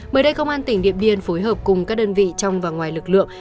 mới đây công an tỉnh điện biên phối hợp cùng các đơn vị trong và ngoài lực lượng